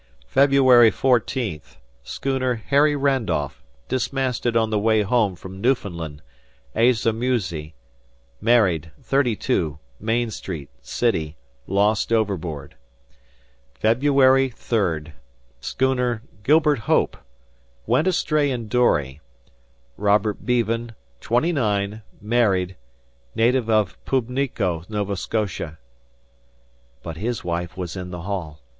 "February 14th. Schooner Harry Randolph dismasted on the way home from Newfoundland; Asa Musie, married, 32, Main Street, City, lost overboard. "February 23d. Schooner Gilbert Hope; went astray in dory, Robert Beavon, 29, married, native of Pubnico, Nova Scotia." But his wife was in the hall.